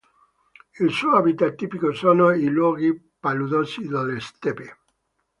Il suo habitat tipico sono i luoghi paludosi delle steppe.